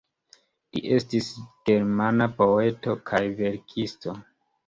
Li estis germana poeto kaj verkisto.